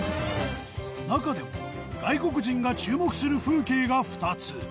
中でも外国人が注目する風景が２つ。